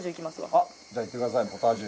じゃあいってくださいポタージュ。